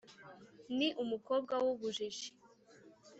ni umukobwa wubujiji